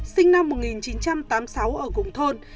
sinh năm một nghìn chín trăm tám mươi sáu ở cùng thôn